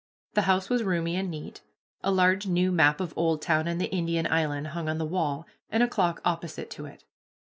The house was roomy and neat. A large new map of Oldtown and the Indian Island hung on the wall, and a clock opposite to it.